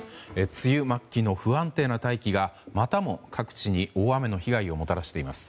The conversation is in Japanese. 梅雨末期の不安定な大気がまたも各地に大雨の被害をもたらしています。